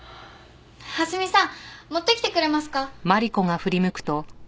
蓮見さん持ってきてくれますか？